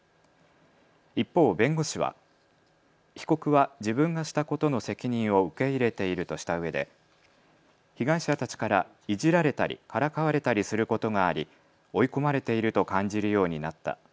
一方、弁護士は被告は自分がしたことの責任を受け入れているとしたうえで被害者たちから、いじられたりからかわれたりすることがあり追い込まれていると感じるようになった。